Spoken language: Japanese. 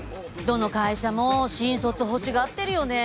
どの会社も新卒ほしがってるよね。